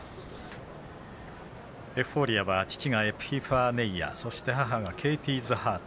エフフォーリアは父がエピファネイアそして母がケイティーズハート。